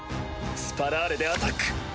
スパラーレでアタック！